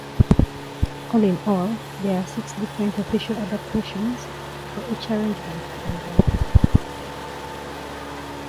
All in all, there are six different official adaptations, for each arrangement and length.